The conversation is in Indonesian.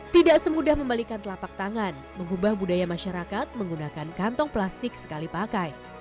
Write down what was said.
tidak semudah membalikan telapak tangan mengubah budaya masyarakat menggunakan kantong plastik sekali pakai